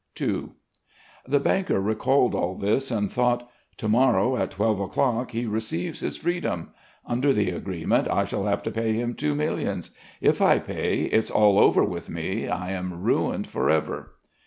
II The banker recalled all this, and thought: "To morrow at twelve o'clock he receives his freedom. Under the agreement, I shall have to pay him two millions. If I pay, it's all over with me. I am ruined for ever...."